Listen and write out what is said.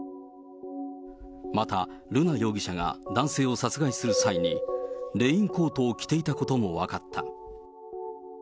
また瑠奈容疑者が、男性を殺害する際に、レインコートを着ていたことも分かった。